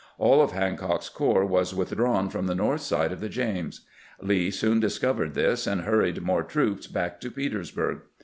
AU of Hancock's corps was withdrawn from the north side of the James. Lee soon discovered this, and' hurried more troops back to Petersburg.